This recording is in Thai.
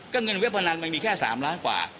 เงินเว็บพนันมันมีแค่๓ล้านกว่า